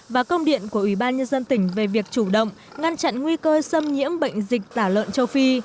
và công điện của ủy ban nhân dân tỉnh về việc chủ động ngăn chặn nguy cơ xâm nhiễm bệnh dịch tả lợn châu phi